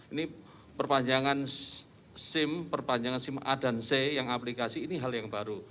ini perpanjangan sim perpanjangan sim a dan c yang aplikasi ini hal yang baru